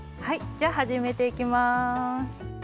じゃあ始めていきます。